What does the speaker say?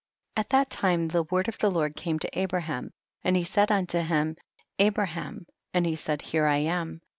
At that time the word of the Lord came to Abraham, and he said unto him, Abraham, and he said here I am.